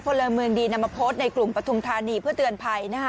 พลเมืองดีนำมาโพสต์ในกลุ่มปฐุมธานีเพื่อเตือนภัยนะคะ